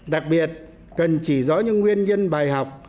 đặc biệt cần chỉ rõ những nguyên nhân bài học